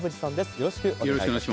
よろしくお願いします。